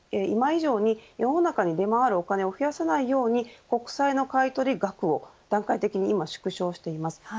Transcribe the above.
今以上に、世の中に出回るお金を増やさないように国債の買い取り額を段階的に今、縮小しています。